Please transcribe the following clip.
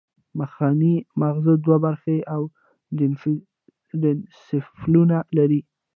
مخنی مغزه دوه برخې او ډاینسفالون لري